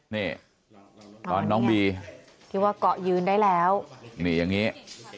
นี่ตอนน้องบีที่ว่าเกาะยืนได้แล้วนี่อย่างนี้